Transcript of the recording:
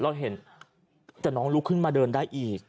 เราเห็นแต่น้องลุกขึ้นมาเดินได้อีก